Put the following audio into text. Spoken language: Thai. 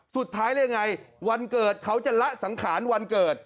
สุดท้ายได้ยังไงวันเกิดเขาจะละสังขารวันเกิด